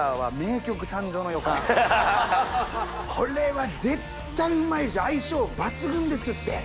これは絶対にうまいですよ相性抜群ですって。